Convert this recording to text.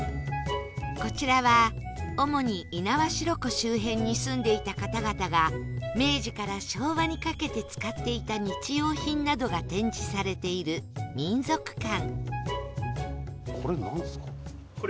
こちらは主に猪苗代湖周辺に住んでいた方々が明治から昭和にかけて使っていた日用品などが展示されている民俗館